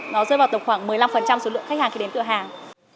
nó rơi vào tổng khoảng một mươi năm số lượng khách hàng khi đến cửa hàng